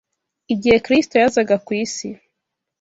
Igihe Kristo yazaga ku isi